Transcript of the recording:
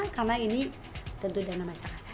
karena ini tentu dana masyarakat